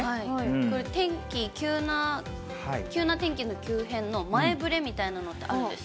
これ天気、急な天気の急変の前触れみたいなのってあるんですか？